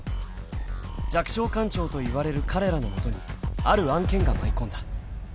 ［弱小官庁といわれる彼らのもとにある案件が舞い込んだ］